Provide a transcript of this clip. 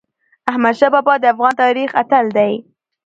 احمدشاه بابا د افغان تاریخ اتل دی.